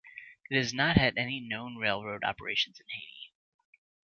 It has not had any known railroad operations in Haiti.